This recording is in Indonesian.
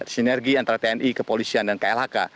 sinergi antara tni kepolisian dan klhk